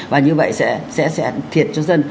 và như vậy sẽ thiệt cho dân